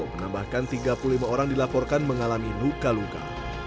menambahkan tiga puluh lima orang dilaporkan mengalami luka luka